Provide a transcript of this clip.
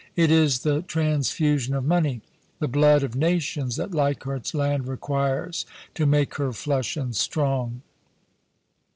It is the trans fusion of money, the blood of nations, that Leichardt's Land requires to make her flush and strong.